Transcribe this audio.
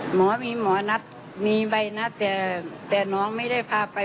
หมอมีหมอนัดมีใบนัดแต่น้องไม่ได้พาไป